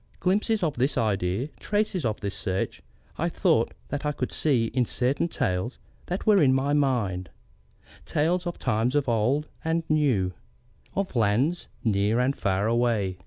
Glimpses of this idea, traces of this search, I thought that I could see in certain tales that were in my mind, tales of times old and new, of lands near and far away.